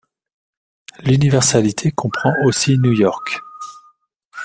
L’universalité comprend aussi New York